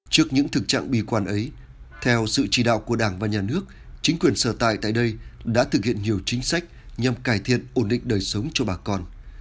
trước những thực trạng bì quan ấy theo sự chỉ đạo của đảng và nhà nước chính quyền sở tại tại đây đã thực hiện nhiều chính sách nhằm cải thiện ổn định đời sống cho bà con